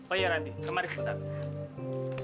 oh iya randi kemari sementara